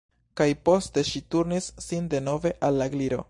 Kaj poste ŝi turnis sin denove al la Gliro.